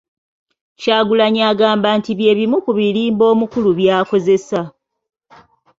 Kyagulanyi agamba nti bye bimu ku birimbo omukulu by'akozesa.